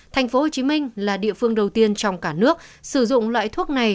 tp hcm là địa phương đầu tiên trong cả nước sử dụng loại thuốc này